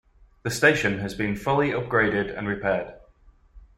The station has been fully upgraded and repaired.